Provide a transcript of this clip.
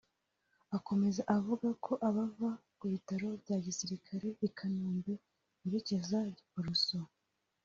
Akomeza avuga ko abava ku bitaro bya Gisirikare i Kanombe berekeza mu Giporoso